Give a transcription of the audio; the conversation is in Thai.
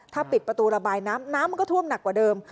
ถ้าปิดประตูระบายน้ำน้ำมันก็ท่วมหนักกว่าเดิม